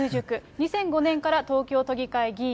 ２００５年から東京都議会議員。